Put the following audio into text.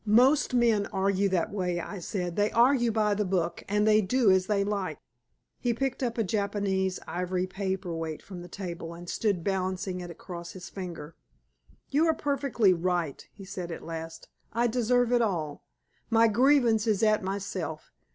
"Most men argue that way," I said. "They argue by the book, and they do as they like." He picked up a Japanese ivory paper weight from the table, and stood balancing it across his finger. "You are perfectly right," he said at last. "I deserve it all. My grievance is at myself.